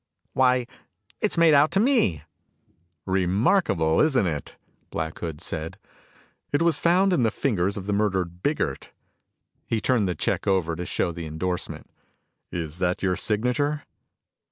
"Why, it's made out to me!" "Remarkable, isn't it?" Black Hood said. "It was found in the fingers of the murdered Biggert." He turned the check over to show the endorsement. "Is that your signature?"